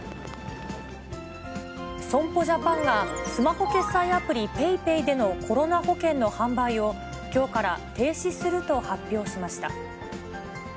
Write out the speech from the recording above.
損保ジャパンが、スマホ決済アプリ、ＰａｙＰａｙでのコロナ保険の販売を、きょうから停止すると発表しました。